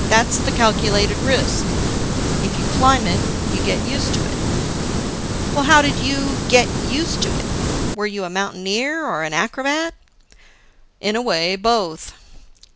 "That's the calculated risk. If you climb, you get used to it." "Well, how did you get used to it? Were you a mountaineer or an acrobat?" "In a way, both."